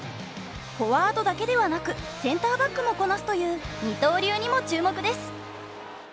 フォワードだけではなくセンターバックもこなすという二刀流にも注目です！